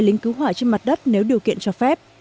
lính cứu hỏa trên mặt đất nếu điều kiện cho phép